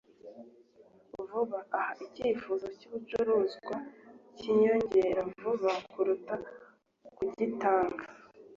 vuba aha icyifuzo cyibicuruzwa cyiyongereye vuba kuruta kugitanga